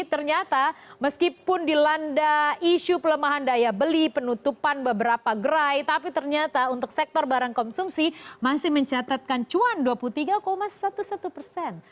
ternyata meskipun dilanda isu pelemahan daya beli penutupan beberapa gerai tapi ternyata untuk sektor barang konsumsi masih mencatatkan cuan dua puluh tiga sebelas persen